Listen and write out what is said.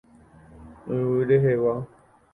Yvy rehegua.